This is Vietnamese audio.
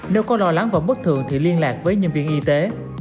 nếu có lo lắng và bất thường thì liên lạc với nhân viên y tế